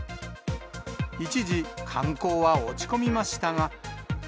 一時、観光は落ち込みましたが。